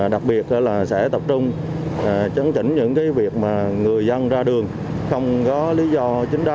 đặc biệt là sẽ tập trung chấn chỉnh những việc mà người dân ra đường không có lý do chính đó